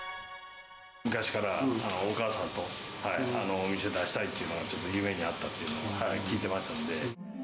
昔からお母さんとお店出したいっていうのは、ちょっと夢にあったっていうのは聞いてましたんで。